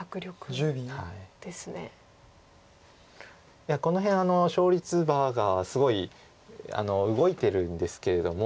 いやこの辺勝率バーがすごい動いてるんですけれども。